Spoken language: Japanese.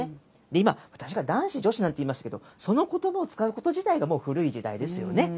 今、私が男子、女子なんて言いましたけれども、そのことばを使うこと自体がもう古い時代ですよね。